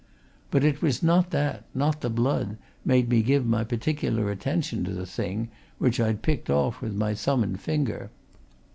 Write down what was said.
But it was not that, not the blood, made me give my particular attention to the thing, which I'd picked off with my thumb and finger.